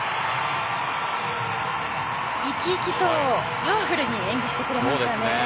生き生きとパワフルに演技してくれましたね。